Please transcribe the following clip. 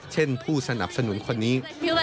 ผู้สนับสนุนคนนี้